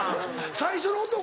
最初の男